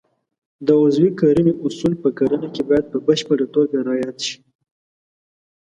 د عضوي کرنې اصول په کرنه کې باید په بشپړه توګه رعایت شي.